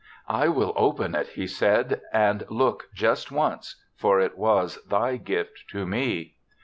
" I will open it," he said, "and look just once, for it was thy gift to me."